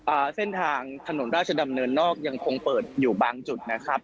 อ่าเส้นทางถนนราชดำเนินนอกยังคงเปิดอยู่บางจุดนะครับ